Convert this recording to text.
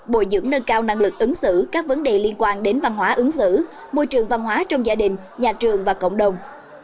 bồi dưỡng nâng cao năng lực ứng xử các vấn đề liên quan đến văn hóa ứng xử môi trường văn hóa trong gia đình nhà trường và cộng đồng